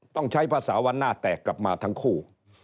ต้องใช้ภาษาวันหน้าแตกกลับมาทั้งคู่